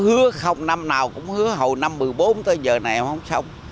hứa không năm nào cũng hứa hầu năm một mươi bốn tới giờ này mà không xong